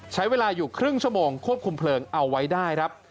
ใช้เวลาอยู่ครึ่งชั่วโมงควบคุมเพลิงเอาไว้ได้ครับ